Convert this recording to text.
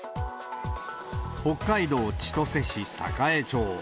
北海道千歳市栄町。